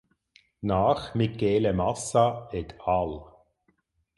Nach Michele Massa et al.